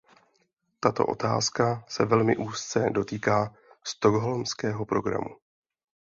Tato otázka se velmi úzce dotýká Stockholmského programu.